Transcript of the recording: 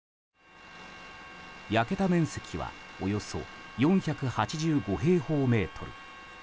焼けた面積はおよそ４８５平方メートル。